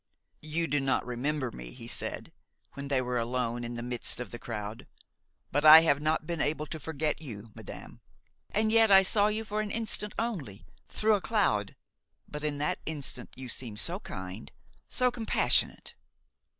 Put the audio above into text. "You do not remember me," he said, when they were alone in the midst of the crowd; "but I have not been able to forget you, madame. And yet I saw you for an instant only, through a cloud; but in that instant you seemed so kind, so compassionate."